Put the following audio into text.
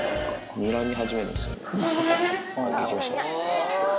にらみ始めるんですよ。